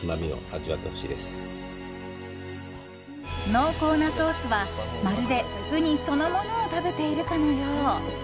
濃厚なソースはまるでウニそのものを食べているかのよう。